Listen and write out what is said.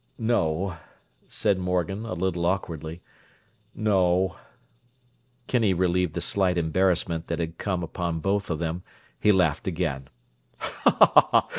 "No," said Morgan, a little awkwardly. "No—" Kinney relieved the slight embarrassment that had come upon both of them: he laughed again.